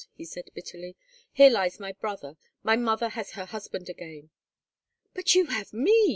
he said, bitterly. "Here lies my brother. My mother has her husband again!" "But you have me!"